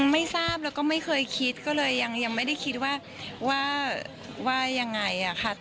ไม่ทราบแล้วก็ไม่เคยคิดก็เลยยังไม่ได้คิดว่ายังไงค่ะ